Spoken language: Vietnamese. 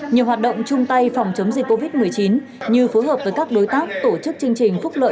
nhiều hoạt động chung tay phòng chống dịch covid một mươi chín như phối hợp với các đối tác tổ chức chương trình phúc lợi